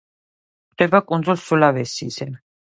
გვხვდება კუნძულ სულავესიზე.